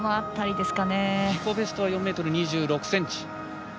自己ベストは４ｍ２６ｃｍ。